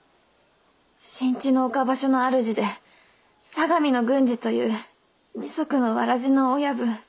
新地の岡場所の主で相模の軍次という二足のわらじの親分。